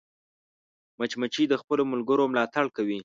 مچمچۍ د خپلو ملګرو ملاتړ کوي